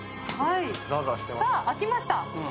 さあ開きました。